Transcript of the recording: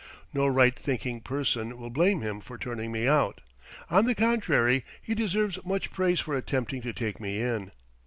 No right thinking person will blame him for turning me out; on the contrary, he deserves much praise for attempting to take me in.